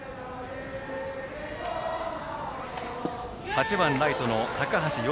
８番ライトの高橋祐